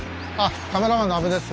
カメラマンの阿部です。